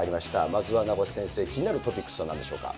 まずは名越先生、気になるトピックスはなんでしょうか。